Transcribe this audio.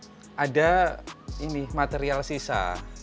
di situ ada ini material sisa